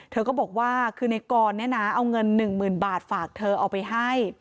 เธอก็บอกว่าคือในกรเนี่ยนะเอาเงิน๑๐๐๐บาทฝากเธอเอาไปให้